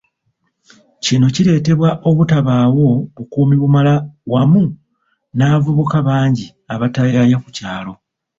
Kino kireetebwa obutabaawo bukuumi bumala wamu n'abavubuka bangi abataayaaya ku kyalo.